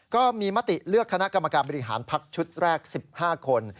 ก็มีมติเลือกคณะกรรมการบริหารพักชุดแรก๑๕คน